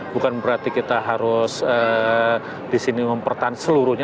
bukan berarti kita harus di sini mempertahankan seluruhnya